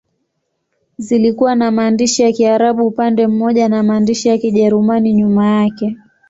Zilikuwa na maandishi ya Kiarabu upande mmoja na maandishi ya Kijerumani nyuma yake.